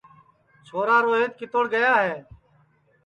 چھورا روہیت کِتوڑ گیا ہے